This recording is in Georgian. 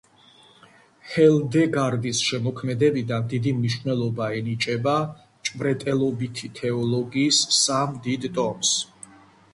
ჰილდეგარდის შემოქმედებიდან დიდი მნიშვნელობა ენიჭება „მჭვრეტელობითი თეოლოგიის“ სამ დიდ ტომს.